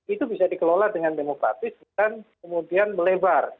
itu bisa dikelola dengan demokratis dan kemudian melebar